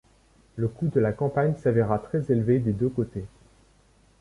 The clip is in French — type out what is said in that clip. Le coût de la campagne s'avéra très élevé des deux côtés.